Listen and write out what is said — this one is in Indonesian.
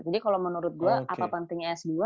jadi kalau menurut gue apa pentingnya s dua